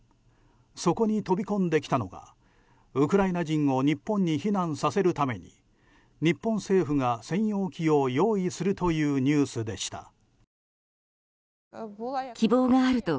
そこに飛び込んできたのがウクライナ人を日本に避難させるために日本政府が専用機を用意するというニュースでした。